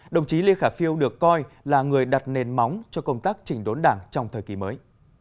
đồng chí lê khả phiêu được coi là người đặt nền móng cho công tác chỉnh đốn đảng trong thời kỳ mới